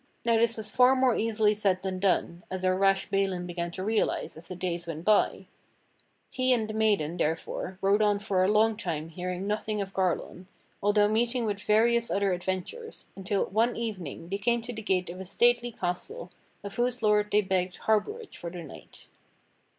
Now this was far more easily said than done, as our rash Balin began to realize as the days went by. He and the maiden, therefore, rode on for a long time hearing nothing of Garlon, although meeting with various other adventures, until one evening they came to the gate of a stately castle of whose lord they begged harborage for the night.